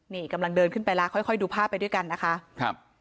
นี่กำลังเดินขึ้นไปแล้วค่อยค่อยดูภาพไปด้วยกันนะคะครับ